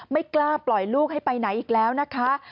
ไม่กล้าปล่อยลูกให้ไปไหนอีกแล้วนะคะ